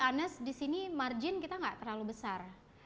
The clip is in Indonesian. margin to be honest di sini margin kita kita bisa kategorikan kita bisa kategorikan